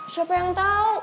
siapa yang tau